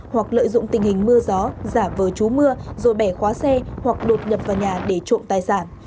hoặc lợi dụng tình hình mưa gió giả vờ chú mưa rồi bẻ khóa xe hoặc đột nhập vào nhà để trộm tài sản